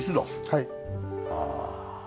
はい。